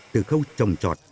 từ khâu trồng trọt